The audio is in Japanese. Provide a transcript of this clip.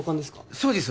そうです